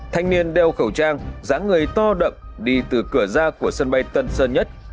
thanh niên đeo khẩu trang dãng người to đậm đi từ cửa ra của sân bay tân sơn nhất